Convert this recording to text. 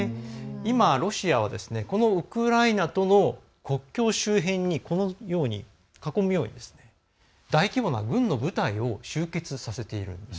今、ロシアはこのウクライナとの国境周辺にこのように、囲むように大規模な軍の部隊を集結させているんです。